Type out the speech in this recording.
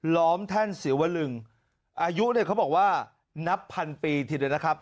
ล้อมแท่นเสียวลึงอายุเนี่ยเขาบอกว่านับพันปีทีเดียวนะครับ